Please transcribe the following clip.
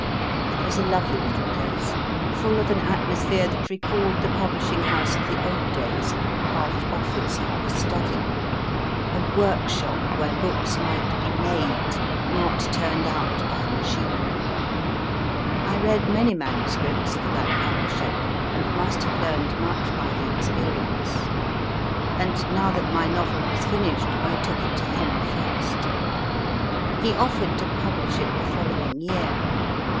It was a lovely little place, full of an atmosphere that recalled the publishing house of the old days, half office, half study ; a workshop where books might be made, not turned out by machinery. I read many manuscripts for that publisher, and must have learned much by the experience. And now that my novel was finished I took it to him first. He offered to publish it the following year.